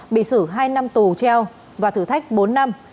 bị xử hai năm tù treo và thử thách bốn năm